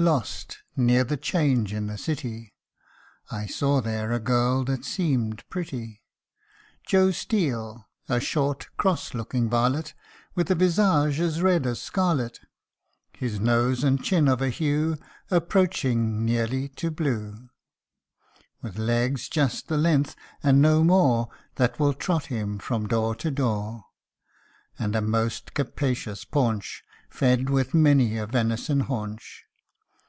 Lost near the 'Change in the city, (I saw there a girl that seemed pretty) ' Joe Steel/ a short, cross looking varlet, With a visage as red as scarlet : His nose and chin of a hue Approaching nearly to blue : With legs just the length, and no more, That will trot him from door to door ; And a most capacious paunch, Fed with many a venison haunch.